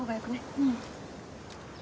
うん。